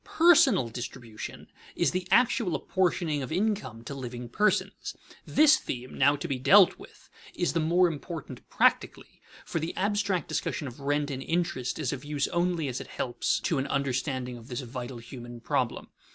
Personal distribution is the actual apportioning of income to living persons. This theme now to be dealt with is the more important practically, for the abstract discussion of rent and interest is of use only as it helps to an understanding of this vital human problem.